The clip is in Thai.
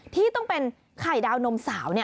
ที่ต้องเป็นไข่ดาวนมสาว